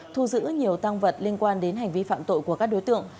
thu giữ nhiều tăng vật liên quan đến hành vi phạm tội của các đối tượng